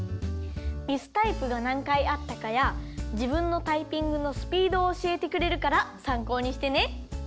ミスタイプがなんかいあったかやじぶんのタイピングのスピードをおしえてくれるからさんこうにしてね。